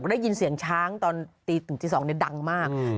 มันได้ยินเสียงช้างตอนตีถึงตีสองเนี่ยดังมากอืม